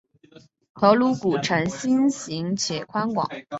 头颅骨呈心型且宽广。